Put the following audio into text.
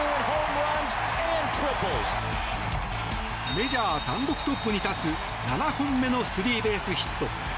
メジャー単独トップに立つ７本目のスリーベースヒット。